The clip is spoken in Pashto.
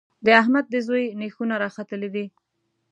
د احمد د زوی نېښونه راختلي دي.